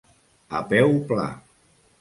A peu pla.